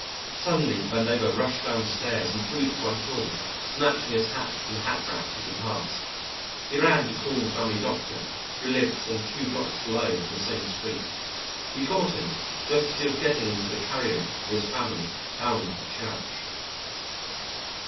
Suddenly Vandover rushed down the stairs and through the front hall, snatching his hat from the hatrack as he passed. He ran to call the family doctor, who lived some two blocks below on the same street. He caught him just as he was getting into the carry all with his family, bound for church.